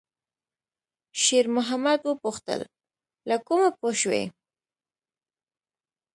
شېرمحمد وپوښتل: «له کومه پوه شوې؟»